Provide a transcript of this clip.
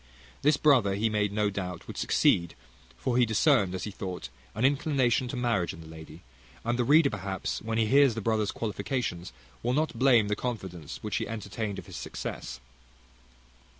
This brother he made no doubt would succeed; for he discerned, as he thought, an inclination to marriage in the lady; and the reader perhaps, when he hears the brother's qualifications, will not blame the confidence which he entertained of his success.